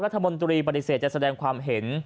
รัฐมนตรีปฏิเสธจะแสดงความเห็น